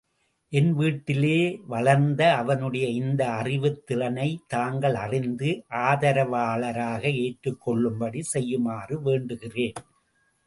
என் வீட்டிலே வளர்ந்த அவனுடைய இந்த அறிவுத் திறனை தாங்கள் அறிந்த ஆதரவாளராக ஏற்றுக் கொள்ளும்படி செய்யுமாறு வேண்டுகிறேன்.